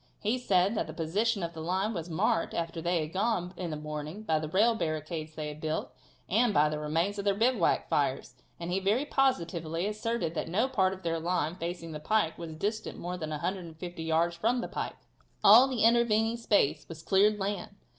He said that the position of their line was marked, after they had gone in the morning, by the rail barricades they had built, and by the remains of their bivouac fires, and he very positively asserted that no part of their line, facing the pike, was distant more than 150 yards from the pike. All the intervening space was cleared land.